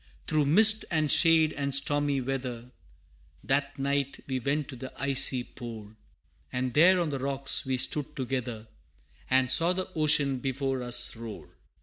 Through mist and shade and stormy weather, That night we went to the icy Pole, And there on the rocks we stood together, And saw the ocean before us roll.